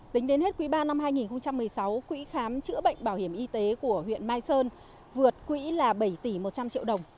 tính đến hết quý ba năm hai nghìn một mươi sáu quỹ khám chữa bệnh bảo hiểm y tế của huyện mai sơn vượt quỹ là bảy tỷ một trăm linh triệu đồng